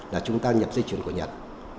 là chúng ta nhập dây chuyển của nhật